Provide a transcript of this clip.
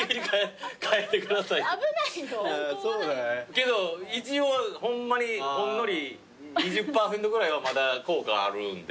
けど一応ホンマにほんのり２０％ぐらいはまだ効果あるんで。